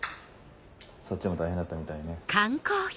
そっちも大変だったみたいね。